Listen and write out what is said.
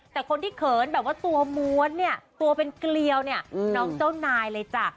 แต่คนที่เขินแบบว่าตัวม้วนเนี่ยตัวเป็นเกลียวเนี่ยน้องเจ้านายเลยจ้ะ